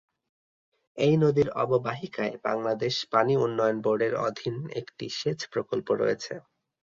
এই নদীর অববাহিকায় বাংলাদেশ পানি উন্নয়ন বোর্ডের অধীন একটি সেচ প্রকল্প রয়েছে।